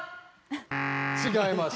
違います。